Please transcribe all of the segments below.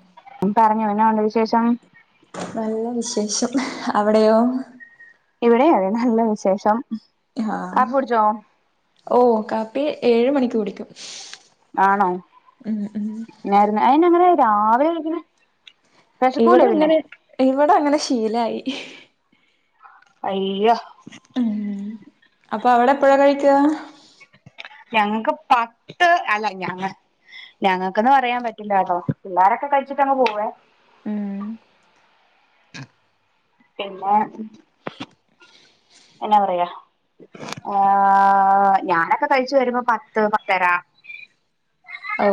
ഉം പറഞ്ഞോ എന്നാ ഉണ്ട് വിശേഷം നല്ല വിശേഷം അവിടെയോ ഇവിടെയും അതെ നല്ല വിശേഷം ആഹ കാപ്പി കുടിച്ചോ ഓ കാപ്പി ഏഴ് മണിക്ക് കുടിക്കും ആണോ ഉം ഉം നേരെന്നെ അയിനങ്ങനെ രാവിലെ നിക്കിന്നെ ഇവിടെ അങ്ങനെ ഇവിടെ അങ്ങനെ ശീലായി അയ്യോ ഉം അപ്പൊ അവിടെ എപ്പഴാ കഴിക്കുക ഞങ്ങക്ക് പത്ത് അല്ല ഞാന് ഞങ്ങൾക്ക്ന്ന് പറയാൻ പറ്റില്ലട്ടോ പിള്ളോരൊക്കെ കഴിച്ചിട്ട് അങ്ങ് പോവേ ഉം പിന്നെ എന്നാ പറയാ ഏഹ ഞാനൊക്കെ കഴിച്ചു വരുമ്പോ പത്ത് പത്തര. ഓ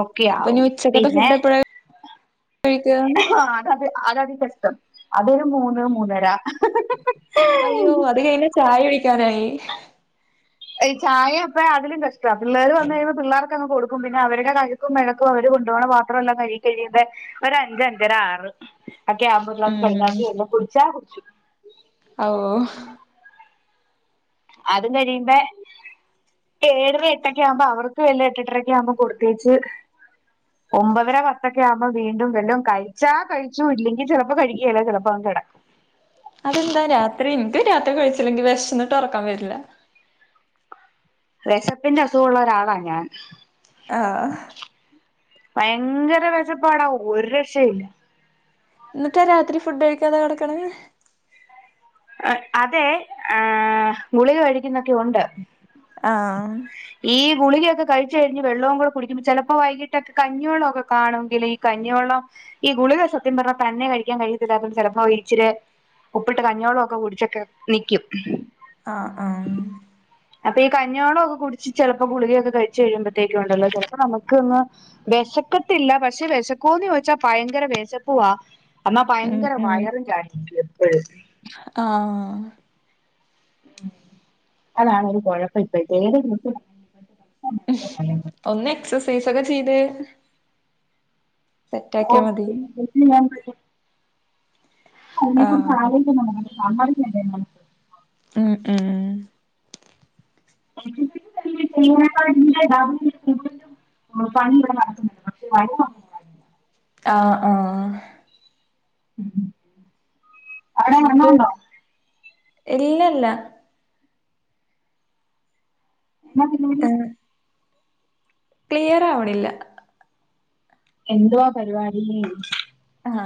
ഒക്കെ അപ്പൊ നി ആവും ഉച്ചക്കത്തെ പിന്നെ ഫുഡ് എപ്പോള. കഴിക്ക. ആ അതത് അതതികഷ്ടം അതൊരു മൂന്ന് മൂന്നര അയ്യോ അത് കഴിഞ്ഞ ചായ കുടിക്കാനായി ഈ ചായൊപ്പ അതിലും കഷ്ടമാണ് പിള്ളേര് വന്ന കഴിയുമ്പോ പിള്ളേർക്ക് കൊടുക്ക. പിന്നെ അവരുടെ കഴുക്കും മെഴക്കും അവര് കൊണ്ടുപോകണ മാത്രമ എല്ലാം കഴ കഴിയത് ഒരു അഞ്ച അഞ്ചര ആറ്. അക്കെ ആവുബോ ഒര്ക്ലാസ് ഉം കരിങ്കപ്പി വെള്ളം കുടിച്ചാ കുടിച്ചു. ഓ. അതും കഴിയുമ്പ. ഏഴര എട്ടൊക്കെ ആവുമ്പോ അവർക്ക് വല്ല എട്ടെട്ടരക്കെ ആവുമ്പോ കൊടുത്തേച്ച്. ഒമ്പതര പത്തൊക്കെ ആവുമ്പോൾ വീണ്ടും വെല്ലോ കഴിച്ചാ കഴിച്ചു ഇല്ലെങ്കിൽ ചിലപ്പോ കഴികേല ചിലപ്പോ അങ്ങ് കേടാകും അതെന്താ രാത്രി ഇന്ക് രാത്രി കഴിച്ചില്ലെങ്കിൽ വിഷംന്നിട്ടോറക്കം വരില്ല. വിശപ്പിന്റെ അസുഖള്ള ഒരാളാ ഞാൻ. ആഹ. ഭയങ്കര വിശപ്പാടാ ഒരു രക്ഷ ഇല്ല. എന്നിട്ടാ രാത്രി ഫുഡ് കഴിക്കാതെ കിടക്കണ. അതെ ഏ ഗുളിക കഴിക്കുന്നൊക്കെ ഉണ്ട്. ആഹ്. ഈ ഗുളികയക്കെ കഴിച്ചച്ച് കഴിഞ് വെള്ളവും കൂടെ കുടിക്കുംമ്പോ ചിലപ്പോ വൈകിട്ടൊക്കെ ക്കെഞ്ഞിവെള്ളം ഒക്കെ കാണെങ്കിൽ ഈ കഞ്ഞിവെള്ളം. ഈ ഗുളിക സത്യം പറഞ്ഞ തന്നെ കഴിക്കാൻ കഴിയത്തില്ല അപ്പും ചിലപ്പോ ഇരിച്ചിില് ഉപ്പിട്ട് കഞ്ഞോളം. കെ കുടിച്ചൊക്കെ നിക്കും. ആഹ് ആഹ് അപ്പൊ ഈ കഞ്ഞോള്ളക്കെ കുടിച്ച് ചിലപ്പോ ഗുളികയൊക്കെ കഴിച്ച കഴിയുമ്പഴത്തേക്കും ഉണ്ടല്ലോ ചിലപ്പോ നമുകൊന്ന്. വിശക്കത്തില്ല പക്ഷെ വിശക്കൂന്ന് ചോദിച്ചാ ഭയങ്കര വിശപ്പുവാ. എന്നാ ഉം ഭയങ്കര ഉം മയറും കയിക്കും എപ്പോഴും. ആഹ്. ഉ അതാണൊരു കുഴപ്പം ഇപ്പഴ്തേ ഏതെ [unintelligible] ഒന്ന് എക്സസൈസ് ഒക്കെ ചെയ്ത്കഴി മതി ഓക്കെ. ആഹ് [unintelligible] [unintelligible] ഉം ഉം. [unintelligible] [unintelligible] നടക്ന്ന്ണ്ട് പക്ഷെ [unintelligible] ആഹ് ആഹ്. ഉം. എന്നിട്ട് ഇല്ലല്ല. എന്ന പിന്നെ എം ക്ലിയർ ആവണില്ല. എന്തുവാ പരിവാടി. ആഹ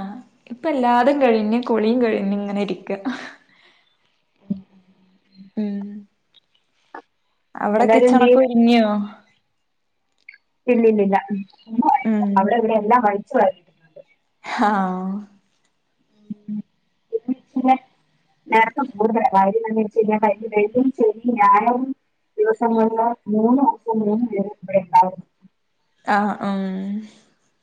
ഇപ്പ എല്ലാതും കഴിഞ്ഞ് കുളിയും കഴിഞ്ഞ് ഇങ്ങനെ ഇരിക്ക. ഉം അവിടെ എല്ലാരും എന്ത് കിച്ചണൊക്കെ ചെയ്യും ഒരുങ്ങിയോ. ഇല്ലില്ലില്ല ഉം അവിടെ ഇവിടെ എല്ലാം വലിച്ചു വാരി ആഹ് ഉം പിന്നെ നേരത്തെ കൂടുതലാ [inaudible] ദിവസങ്ങളുള്ള മൂന്ന് ഒപ്പ് മൂന്ന് പേര് ഇവിടെ ഇണ്ടാവും. ആഹ് ഉം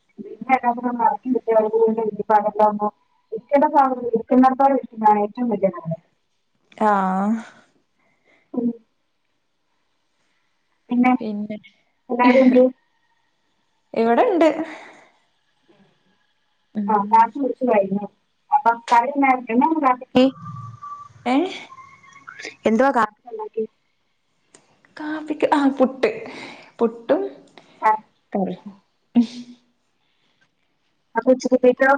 [unintelligible] വിക്കണ്ട സാധനം വിക്കുന്നടുത്തോളം വിക്കുന്നതാ ഏറ്റവും വലിയ [unintelligible] ആഹ് ഉം പിന്നെ എല്ലാരും എന്ത് ഇവിടെണ്ട് ഉം [unintelligible] ഏഹ് എന്തുവാ [unintelligible] കാപ്പിക്ക് ആഹ് പുട്ട് പുട്ടും കറീം അപ്പോ ഉച്ചത്തേക്കോ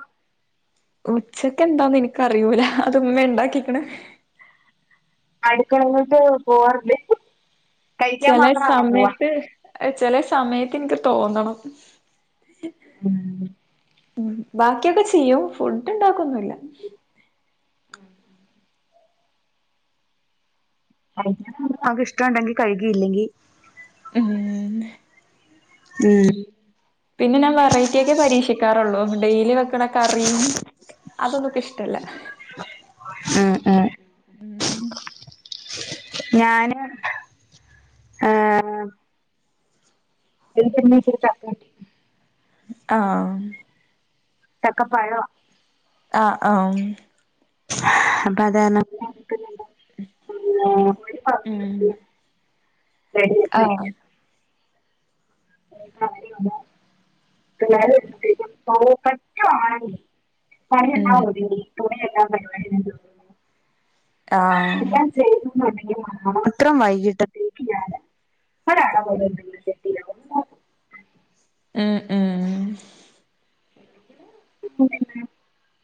ഉച്ചക്കെന്താന്ന് എനിക്കറിയൂല അതുമ്മ ഇണ്ടാക്കിക്കണ് അടുക്കള ങ്ങോട്ട് പോവാറില്ലേ കഴിക്കാൻ ചെല മാത്രാണോ പോവാ സമയത്ത് ചലെ സമയത്ത് എനിക്ക് തോന്നണം ഉം ഉം ബാക്കിയൊക്കെ ചെയ്യും ഫുഡ്ണ്ടാക്കൊന്നുല്ല ആഹ് അവക്ക് ഇഷ്ട്ടൊണ്ടെങ്കി കഴിക്ക് ഇല്ലെങ്കി ഉം മ് പിന്നെ ഞാൻ വെറൈറ്റിയൊക്കെ പരീക്ഷിക്കാറുള്ളൂ ഡെയിലി വെക്കണ കറിയും അതൊന്നു എനിക്കിഷ്ടല്ല ആഹ് ആഹ് ഉം ഞാന് ഏഹ് എനിക്കിവിടുന്നൊരി ഇച്ചിരി ചക്ക കിട്ടി ആഹ് ചക്കപ്പഴവാ ആഹ് ആഹ് അപ്പ അത് കാരണം ആഹ് ഉം [unintelligible] ആഹ് [inaudible] പണിയൊണ്ടാവോ ഉം [inaudible] ആഹ് ചെയ്തുന്നൊണ്ടെങ്കില് മാത്രം വൈകിട്ട് [inaudible] ഏഹ് ഏഹ് [inaudible]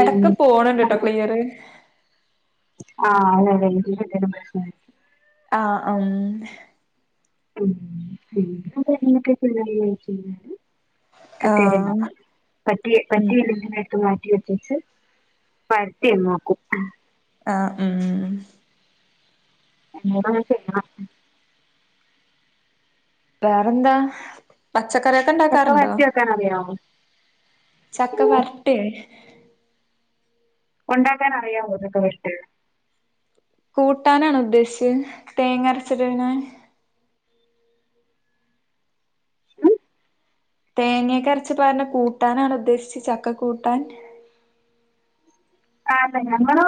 എടക്ക് പോണ് ണ്ട്ട്ടോ ക്ലിയറ് ആഹ് [unintelligible] പ്രശ്നം ആഹ് ഉം ഉം [inaudible] [inaudible] [unintelligible] ആഹ് ഉം പരത്തിയങ്ങു നോക്കും ആഹ് ഉം എന്നോടു ചോദിക്കണം വേറെന്താ പച്ചക്കറിയൊക്കെണ്ടാക്കാറുണ്ടോ ക്കാനറിയായോ ചക്കവരട്ടേ ഒണ്ടാക്കാനറിയാമോ ചക്ക വരട്ട് കൂട്ടാനാണോ ഉദ്ദേശിച്ചത് തേങ്ങരച്ചിടണേ ഉം? തേങ്ങയൊക്കെരച്ച്പാരണ കൂട്ടാനാണോ ഉദ്ദേശിച്ചത് ചക്ക കൂട്ടാൻ ആഹ് പ ഞങ്ങള്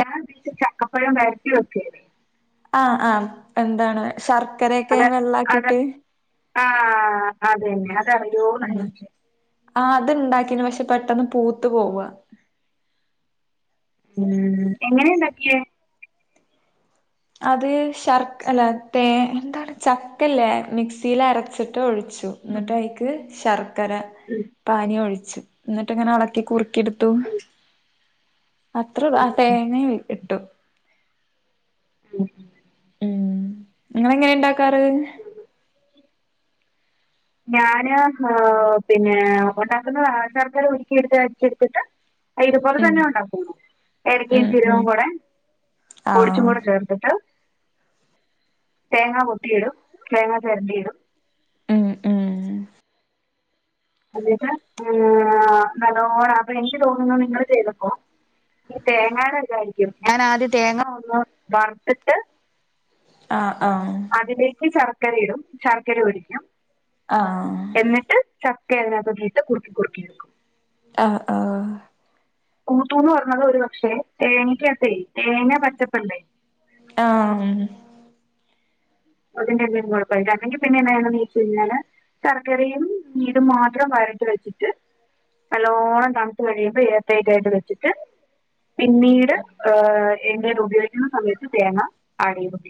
ഞാൻ പീ ചക്കപ്പഴം വരട്ടി വെക്കാചെയ്യല്. ആഹ്, ആഹ് എന്താണ് ശർക്കരയൊക്കെ വെള്ളാക്കിട്ട്. ആഹ് അതന്നെ അതറിയോന്ന ആഹ് ചോയിച്ചെ. ആഹ് അത്ണ്ടാക്കിനു പഷെ പെട്ടന്ന് പൂത്ത് പോവാ. ഉം എങ്ങനെണ്ടാക്കിയേ. അത് ശർക്ക അല്ല തേ എന്താണ് ചക്കല്ലേ മിക്സീല് അരച്ചിട്ട് ഒഴി ച്ചു ന്ന്ട്ട് ഐക്ക് ശർക്കര. ഹും. പാനി ഒഴിച്ച് എന്നിട്ട്ങ്ങനെ അളക്കി കുറുക്കി എടുത്തു. അത്രള്ളു ആ ഉം, തേങ്ങയും ഇട്ടു. ഉം ഉം നിങ്ങളെങ്ങനെ ണ്ടാക്കാറ്. ഞാന് ഹ് പിന്നെ ഒണ്ടാക്കുന്നത് ആശർക്കര ഉരുക്കിയെടുത്ത് അരിച്ചെടു ത്ത്ട്ട്. ഇതുപോലെ ഉം തന്നെ ഉണ്ടാക്കുന്നെ ഏലക്കയും ഉം ചീരകവും ഉം കൂടെ. പൊടിച്ചും ആഹ് കൂടെ ചേർത്തിട്ട്. തേങ്ങാകൊത്തിയിടും തേങ്ങാ ചെരണ്ടിയിടും. ഉം ഉം എന്നിട്ട് ഹ് നല്ലോണം അപ്പൊ എനിക്ക് തോന്നുന്നു നിങ്ങള് ചെയ്തപ്പോ. തേങ്ങേടെതായിരിക്കും ഞാനാദ്യം തേങ്ങ ഒന്ന് വർത്ത്ട്ട്. ആഹ്, ആഹ്. അതിലേക്ക് ശർക്കര ഇടും ശർക്കര ഒഴിക്കും. ആഹ്. എന്നിട്ട് ചക്ക അതിനകത്തോട്ടിട്ട് കുറുക്കി കുറുക്കിയെടുക്കും. ആഹ്, ആഹ്. ഊത്തൂന്ന് പറഞ്ഞത് ഒരു പക്ഷേ തേങ്ങക്കാത്തെ തേങ്ങ പച്ചപ്പ്ണ്ടേ. ആഹ് ഹും. അതിന്റെറെ എല്ലെ കൊഴപ്പല്ലാ അല്ലെങ്കി പിന്നെയെങ്ങാനേന്ന് വെച്ച് കഴിഞ്ഞാല്. ശർക്കരയും മീതും മാത്രം വരട്ടി വെച്ചിട്ട്. നല്ലോണം തണുത്ത് കഴിയുമ്പോ ഏയർടൈറ്റായിട്ട് വെച്ചിട്ട്. പിന്നീട് ഹ് എന്തേലും ഉപയോഗിക്കുന്ന സമയത്ത് തേങ്ങ ആഡ് ചെയ്തൊ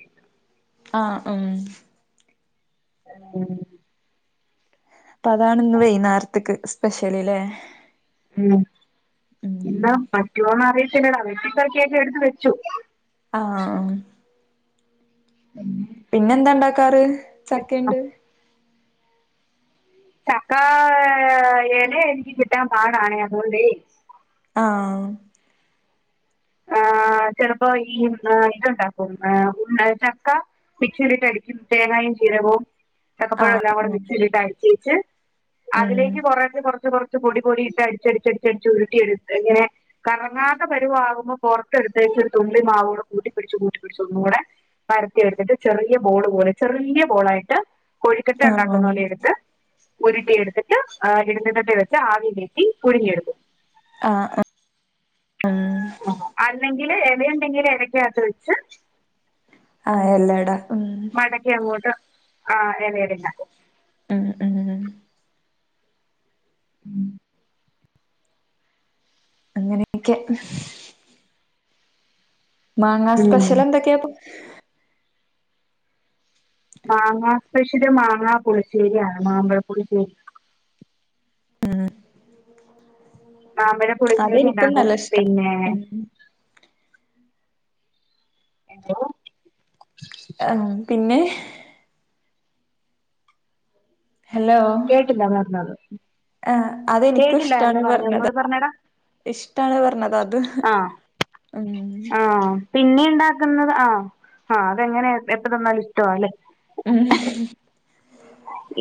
ആഹ്, ഹും. ഉം. പ്പതാണ് ഇന്ന് വൈന്നാര്ത്ത്ക്ക് സ്പെഷ്യല് ല്ലേ. ഉം ഉം എന്താ പറ്റുവോന്ന് അറിയത്തില്ലടാ വെട്ടി പെറ്ക്കിയൊക്കെ എടുത്ത് വെച്ചു. ആഹ്. ഉം. പിന്നെന്താ ണ്ടാക്കാറ് ചക്കേണ്ട്. ചക്കാ ഹ് എനെ എനിക്ക് കിട്ടാൻ പാടാണേ അതോണ്ടെ. ആഹ്. ആഹ് ചെലപ്പോ ഈ മ് ഇത്ണ്ടാക്കും ഏഹ് ചക്ക. മിക്സെലിട്ട് അടിക്കും തേങ്ങായും ജീരകവും. ആഹ് ചക്കപ്പഴൊല്ലാം കൂടെ ഉം മിക്സീലിട്ട് അടിച്ചേച്ച് ഉം അതിലേക്ക് കുറേശെ കൊറച്ച്, കൊറച്ച്. പൊടി പൊടിയിട്ട് അടിച്ചടിച്ച് അടിച്ചടിച്ച് ഉരുട്ടി എടുത്ത് ങ്ങനെ കറങ്ങാത്ത പരുവാകുമ്പോ. പൊറത്തെടുത്തേച്ച് ഒരു തുള്ളി മാവൂടെ കൂട്ടിപിട്ച്ച് കൂട്ടിപിട്ച്ച് ഒന്നൂടെ പരത്തി എട്ത്തിട്ട് ചെറിയ ബോള് പോലെ ചെറിയ ബോളായിട്ട് കൊഴ്ക്കട്ട ആഹ് ഉണ്ടാക്കുന്ന പോലെ എട്ത്ത് ഉരുട്ടി എട്ത്തിട്ട് ആഹ് ഇഡ്ലിചട്ടീ വെച്ച് ആവി കേറ്റി പുഴുങ്ങിയെടുക്കും. ആഹ് ആഹ്. അല്ലെങ്കില് എലയുണ്ടെങ്കില് എലെക്കകത്ത് വെച്ച് ആഹ് എല്ലടാ ഉം. മടക്കി അങ്ങോട്ട് ആ എലയടണ്ടക്ക. മ് മ് മ്. മ്. അങ്ങനെയൊക്കെ. മാങ്ങാ ഉം. സ്പെഷ്യൽ എന്തൊക്കെ അപ്പൊ? മാങ്ങാ സ്പെഷ്യല് മാങ്ങാ പുളിശ്ശേരിയാണ് മാമ്പഴപ്പുളിശ്ശേരി. ഉം അതെനിക്കും മാമ്പഴപുളിശ്ശേരിഉണ്ടകും നല്ല ഇഷ്ട പിന്നെ ഉം എന്തോ? ആഹ് പിന്നെ. ഹലോ കേട്ടില്ല പറഞ്ഞത് ആ അതെനിക്കും ഇഷ്ടാണ് കേട്ടില്ലായിരുന്നു പറഞ്ഞത് പറഞ്ഞതാ ഒന്നൂടി പറഞ്ഞേടാ ഇഷ്ടാണ് പർഞ്ഞതാ അത് ആഹ് ഉം. ആഹ് പിന്നെ ഇണ്ടാക്ക്ന്നത് ആ ആ അതെങ്ങനെ എപ്പ തന്നാലും ഇഷ്ടമാല്ലെ? മ്.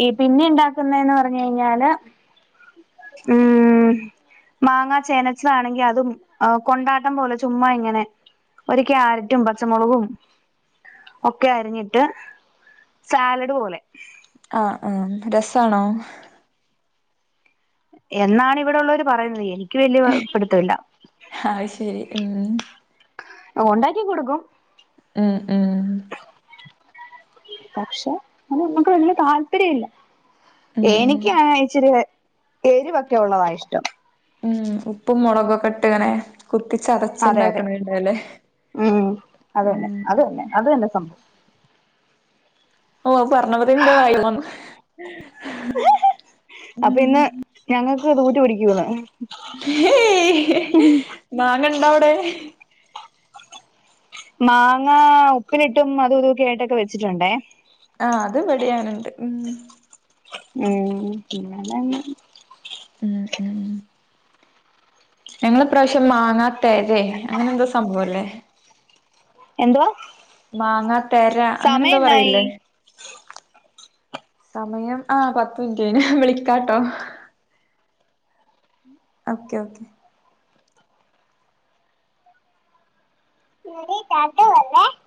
ഈ പിന്നെ ഇണ്ടാക്കുന്നെന്ന് പർഞ്ഞയ്ഞ്ഞാല് മ് മാങ്ങാ ചേനച്ചതാണെങ്കി അതും കൊണ്ടാട്ടം പോലെ ചുമ്മാ ഇങ്ങനെ ഒര് ക്യാരറ്റും പച്ചമുളകും. ഒക്കെ അരിഞ്ഞിട്ട് സാലഡ് പോലെ. ആഹ് ആ രസാണോ? എന്നാണ് ഇവിടെള്ളോര് പറയുന്നത് എനിക്ക് വല്യ പിട്ത്ത്ല്ല. അഹ് ശെരി ഉം. ഒ ഉണ്ടാക്കി കൊട്ക്കും. മ് മ്. പക്ഷെ അത് ന്നമ്മക്ക് വല്ല്യ താല്പര്യല്ല. ഉം എനിക്കാണെ ഇച്ചിരി എരിവൊക്കെ ഉള്ളതാ ഇഷ്ടം. മ് ഉപ്പും മുളകൊക്കെ ഇട്ട് ഇങ്ങനെ കുത്തിച്ചതച്ച് ഇണ്ടാക്ക്ണണ്ടല്ലേ? മ് മ് അത്‌ തന്നെ അത്‌ തന്നെ അത് തന്നെ സംഭവം. ഓ അഹ് പർഞ്ഞ പോതിന് എന്റെ വായില് വെള്ളം വന്നു. ഉം [unintelligible] അപ്പൊ ഇന്ന് ഞങ്ങക്ക് [unintelligible] ഏയ് മാങ്ങണ്ടവ്ടെ? മാങ്ങ ഉപ്പിലിട്ടും അതും ഇതും ഒക്കെ ആയിട്ട് വെച്ചിട്ടുണ്ടേ. ആ അത് ഇവിടീം അങ്ങനെണ്ട് മ്. ഉം [unintelligible] ഉം ഉം ഞങ്ങള് ഇപ്രാവശ്യം മാങ്ങാത്തെരെ അങ്ങനെ എന്തോ സംഭവല്ലേ? എന്തുവാ മാങ്ങത്തെര അങ്ങനെ എന്തോ പറയില്ലേ? ഉ [inaudible] സമയം ആ പത്ത് മിനിറ്റ് ആയീണ് വിളിക്കാട്ടോ. Okay okay. [unintelligible]